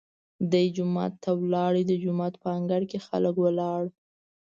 دی جومات ته لاړ، د جومات په انګړ کې خلک ولاړ.